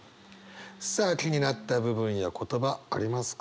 さあ気になった部分や言葉ありますか？